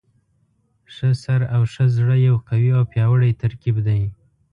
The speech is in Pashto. ښه سر او ښه زړه یو قوي او پیاوړی ترکیب دی.